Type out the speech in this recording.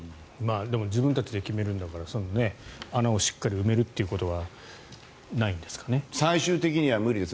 でも自分たちで決めるんだからその穴をしっかり埋めるということは最終的には無理です。